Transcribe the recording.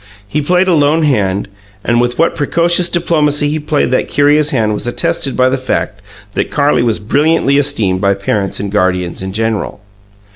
He played a lone hand, and with what precocious diplomacy he played that curious hand was attested by the fact that Carlie was brilliantly esteemed by parents and guardians in general.